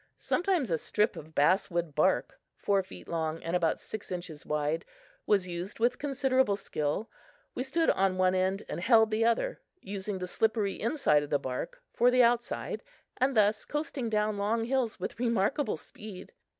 Sometimes a strip of bass wood bark, four feet long and about six inches wide, was used with considerable skill. We stood on one end and held the other, using the slippery inside of the bark for the outside, and thus coasting down long hills with remarkable speed.